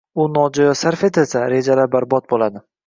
U nojo‘ya sarf etilsa rejalar barbod bo‘ladi.